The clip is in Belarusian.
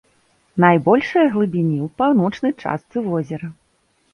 Найбольшыя глыбіні ў паўночнай частцы возера.